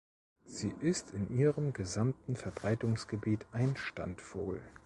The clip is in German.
Sie ist in ihrem gesamten Verbreitungsgebiet ein Standvogel.